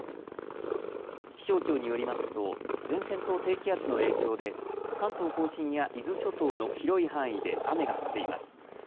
気象庁によりますと前線と低気圧の影響で関東甲信や伊豆諸島の広い範囲で雨が降っています。